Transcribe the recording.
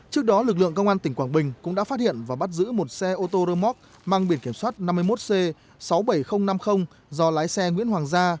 trước đó lực lượng công an tỉnh quảng bình cũng đã phát hiện và bắt giữ một xe ô tô rơ móc mang biển kiểm soát năm mươi một c sáu mươi bảy nghìn năm mươi do lái xe nguyễn hoàng gia